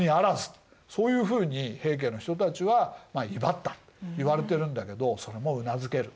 そういうふうに平家の人たちは威張ったといわれてるんだけどそれもうなずける。